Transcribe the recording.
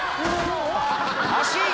惜しい！